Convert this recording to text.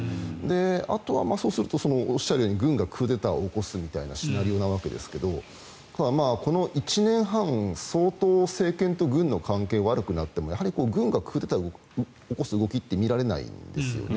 あとはおっしゃるように軍がクーデターを起こすみたいなシナリオなわけですがこの１年半相当、政権と軍の関係が悪くなっても軍がクーデターを起こす動きって見られないんですよね。